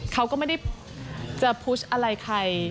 เขาก็ไม่ได้จะโพสต์อะไรใคร